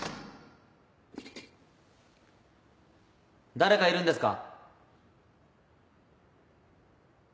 誰かいるんですか？